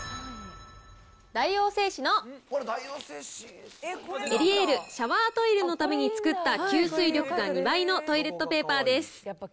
大王製紙のエリエールシャワートイレのためにつくった吸水力が２倍のトイレットペーパーです。